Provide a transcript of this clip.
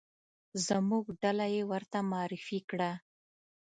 زموږ ډله یې ورته معرفي کړه.